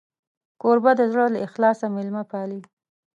کوربه د زړه له اخلاصه میلمه پالي.